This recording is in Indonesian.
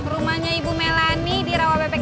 rumahnya ibu melani di rawa ppk delapan